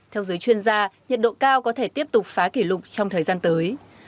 theo giới chuyên gia nhiệt độ cao có thể tiếp tục phá kỷ lục trong thời gian tới